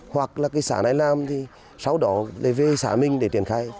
hoặc là cái xã này làm thì sau đó để về xã mình để triển khai